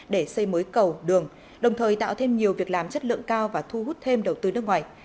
để xây mới cầu đường đồng thời tạo thêm nhiều việc làm chất lượng cao và thu hút thêm đầu tư nước ngoài